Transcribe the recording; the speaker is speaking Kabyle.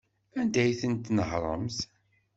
Anda ay ten-tnehṛemt?